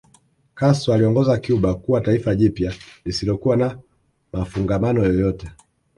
Castro aliiongoza Cuba kuwa taifa jipya lisilokuwa na mafungamano yoyote